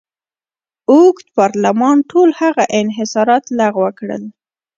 اوږد پارلمان ټول هغه انحصارات لغوه کړل.